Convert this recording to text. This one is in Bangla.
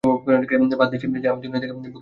বলে দিস যে আমি দুনিয়ার বুকে হেঁটে বেড়াচ্ছি!